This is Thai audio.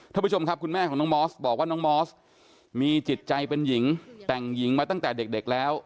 ท่านผู้ชมครับคุณแม่ของน้องมอสบอกว่าน้องมอสมีจิตใจเป็นหญิงแต่งหญิงมาตั้งแต่เด็กแล้ว